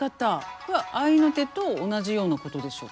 これは合いの手と同じようなことでしょうかね。